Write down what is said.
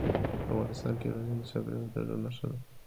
افغانستان کې یورانیم د چاپېریال د تغیر نښه ده.